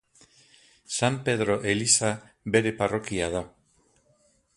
San Pedro eliza bere parrokia da.